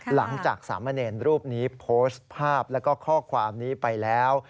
หลังจากสามเณรรูปนี้โพสต์ภาพแล้วก็ข้อความนี้ไปแล้ว